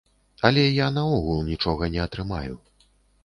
Але я наогул нічога не атрымаю.